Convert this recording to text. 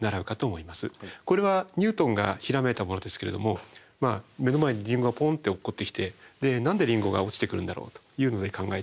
これはニュートンがひらめいたものですけれども目の前にリンゴがポンって落っこってきて何でリンゴが落ちてくるんだろうというので考えて。